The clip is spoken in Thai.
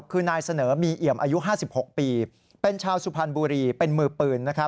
คือนายเสนอมีเอี่ยมอายุ๕๖ปีเป็นชาวสุพรรณบุรีเป็นมือปืน